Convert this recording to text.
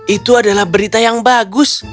itu adalah berita yang bagus